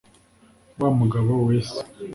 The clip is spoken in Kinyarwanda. Wa Mugabo-wesa